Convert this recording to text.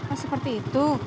oh seperti itu